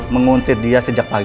menguntit dia sejak kemarin